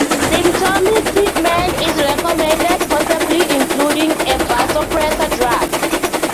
Symptomatic treatment is recommended, possibly including a vasopressor drug.